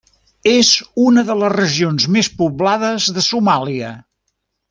És una de les regions més poblades de Somàlia.